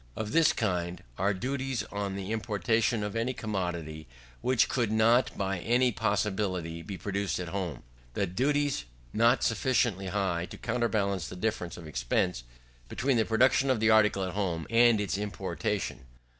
Of this kind, are duties on the importation of any commodity which could not by any possibility be produced at home; and duties not sufficiently high to counterbalance the difference of expense between the production of the article at home, and its importation.